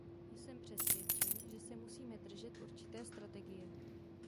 Jsem přesvědčen, že se musíme držet určité strategie.